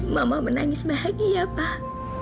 mama menangis bahagia pak